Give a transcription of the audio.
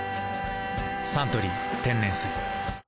「サントリー天然水」